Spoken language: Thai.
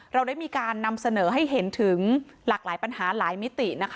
เราได้มีการนำเสนอให้เห็นถึงหลากหลายปัญหาหลายมิตินะคะ